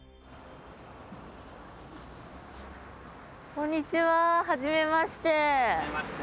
こんにちははじめまして。